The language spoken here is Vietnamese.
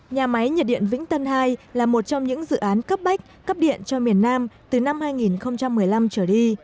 nhà máy nhiệt điện vĩnh tân hai là một trong những dự án cấp bách cấp điện cho miền nam từ năm hai nghìn một mươi năm trở đi